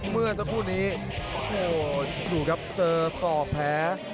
เมื่อสักครู่นี้โอ้โหดูครับเจอศอกแผล